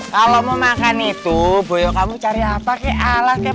kalau mau makan itu boyo kamu cari apa kek ala kek